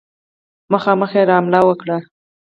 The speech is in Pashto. مخامخ یې را حمله وکړه.